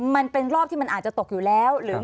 มันเป็นรอบที่มันอาจจะตกอยู่แล้ว